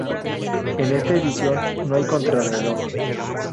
En esta edición no hay contrarreloj.